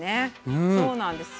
そうなんですよ。